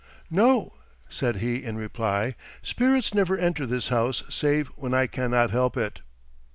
"No," said he in reply, "spirits never enter this house save when I cannot help it."